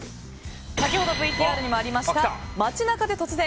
先ほどＶＴＲにもありました街中で突然！